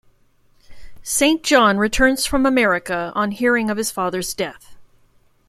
Saint John returns from America on hearing of his father's death.